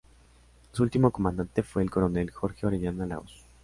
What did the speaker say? Su último comandante fue el Coronel Jorge Orellana Lagos.